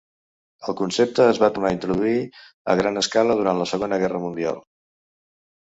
El concepte es va tornar a introduir a gran escala durant la Segona Guerra Mundial.